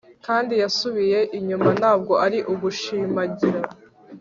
Kandi yasubiye inyuma ntabwo ari ugushimangira